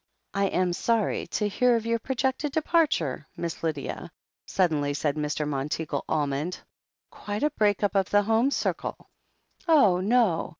"I am sorry to hear of your projected departure, Miss Lydia/' suddenly said Mr. Monteagle Almond. "Quite a break up of the home circle." "Oh, no!"